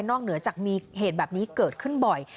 เหนือจากมีเหตุแบบนี้เกิดขึ้นบ่อย